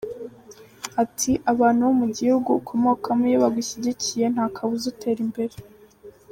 Ati “ Abantu bo mu gihugu ukomokamo iyo bagushyigikiye, ntakabuza utera imbere.